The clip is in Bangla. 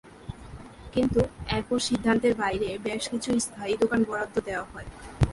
কিন্তু এরপর সিদ্ধান্তের বাইরে বেশ কিছু স্থায়ী দোকান বরাদ্দ দেওয়া হয়।